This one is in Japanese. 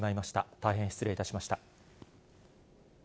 大変失礼いたしました。